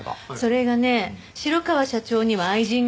それがね城川社長には愛人がいたの。